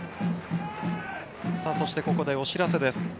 そして、ここでお知らせです。